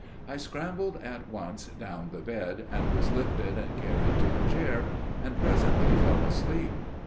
I scrambled at once down the bed, and was lifted and carried to the chair, and presently fell asleep.